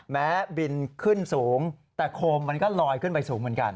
บินขึ้นสูงแต่โคมมันก็ลอยขึ้นไปสูงเหมือนกัน